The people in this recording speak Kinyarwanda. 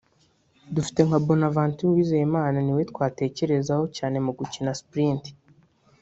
Dufite nka Bonaventure Uwizeyimana niwe twatekerezaho cyane mu gukina ‘Sprint’